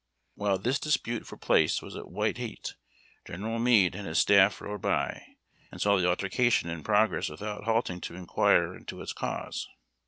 While this dispute for place was at white heat. General Meade and his staff rode by, and saw the altercation in progress without halting to inquire into its cause.